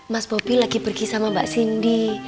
mas bubi lagi pergi sama mbak sindi